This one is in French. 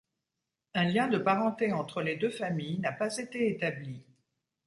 Un lien de parenté entre les deux familles n'a pas été établi.